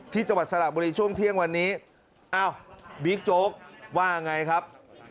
จังหวัดสระบุรีช่วงเที่ยงวันนี้อ้าวบิ๊กโจ๊กว่าไงครับ